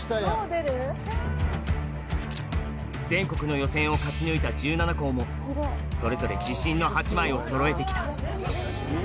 全国の予選を勝ち抜いた１７校もそれぞれ自信の８枚をそろえて来た